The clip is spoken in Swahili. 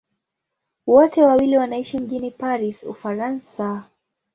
Wote wawili wanaishi mjini Paris, Ufaransa.